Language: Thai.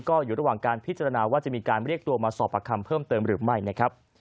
ก็อยู่ระหว่างการพิจารณาว่าจะมีการเรียกตัวมาสอบประคำเพิ่มเติมหรือไม่นะครับ